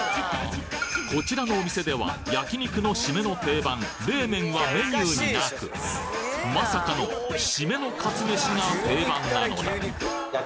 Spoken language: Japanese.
こちらのお店では焼き肉のシメの定番冷麺はメニューになくまさかのシメのかつめしが定番なのだ！